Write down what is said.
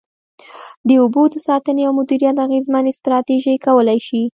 د اوبو د ساتنې او مدیریت اغیزمنې ستراتیژۍ کولای شي.